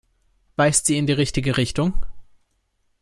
Weist sie in die richtige Richtung?